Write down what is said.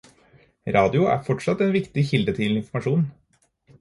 Radio er fortsatt en viktig kilde til informasjon.